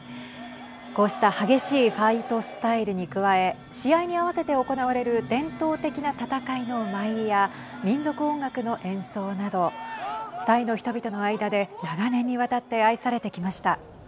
こうした激しいファイトスタイルに加え試合に合わせて行われる伝統的な戦いの舞や民族音楽の演奏などタイの人々の間で長年にわたって愛されてきました。